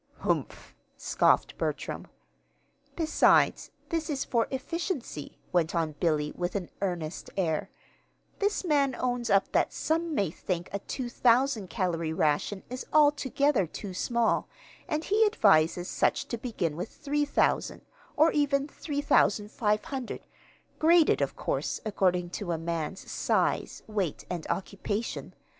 "Humph!" scoffed Bertram. "Besides, this is for efficiency," went on Billy, with an earnest air. "This man owns up that some may think a 2,000 calory ration is altogether too small, and he advises such to begin with 3,000 or even 3,500 graded, of course, according to a man's size, weight, and occupation.